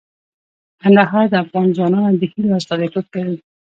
کندهار د افغان ځوانانو د هیلو استازیتوب کوي.